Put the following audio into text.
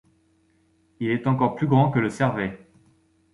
Il est encore plus grand que le Servais.